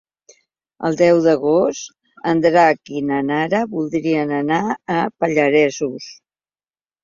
El deu d'agost en Drac i na Nara voldrien anar als Pallaresos.